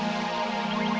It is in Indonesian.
sekarang kita harus mulai